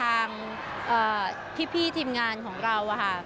ทางพี่ทีมงานของเราค่ะ